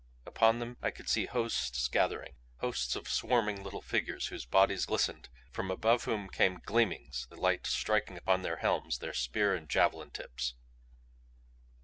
Upon them I could see hosts gathering; hosts of swarming little figures whose bodies glistened, from above whom came gleamings the light striking upon their helms, their spear and javelin tips.